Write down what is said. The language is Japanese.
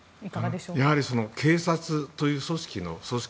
やはり警察という組織の組織